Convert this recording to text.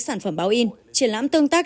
sản phẩm báo in triển lãm tương tác